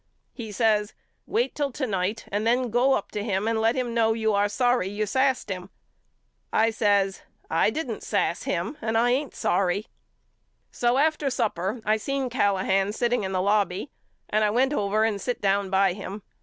He says Wait till to night and then go up to him and let him know you are sorry you sassed him. I says I didn't sass him and I ain't sorry. So after supper I seen Callahan sitting in the lobby and I went over and sit down by him.